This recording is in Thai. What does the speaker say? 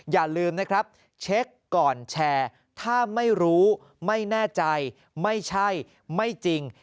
อย่าลืมนะครับเช็คก่อนแชร์ถ้าไม่รู้ไม่แน่ใจไม่ใช่ไม่จริง